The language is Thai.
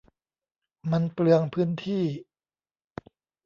มันเปลืองพื้นที่